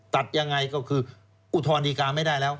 ตัดยังไงก็คืออุทธรณดีการไม่ได้แล้ว